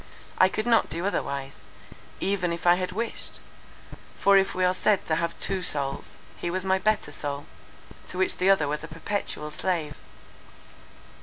I could not do otherwise, even if I had wished; for if we are said to have two souls, he was my better soul, to which the other was a perpetual slave.